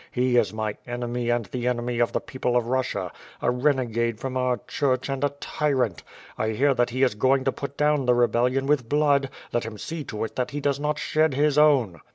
He is my enemy and the ehemy of the people of Russia; a renegade from our C Iiurch and a tyrant*. I hear that he is going to put down the rebellion with blood; let him see to it that he does not shed his own."